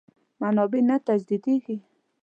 منابع نه تجدیدېږي.